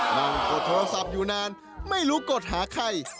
กดโทรศัพท์อยู่นานไม่รู้กดหาใคร